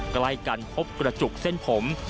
ใกล้กันพบกระจุกเส้นผม